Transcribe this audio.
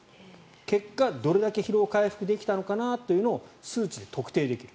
結果、どれだけ疲労回復できたのかなというのを数値で特定できる。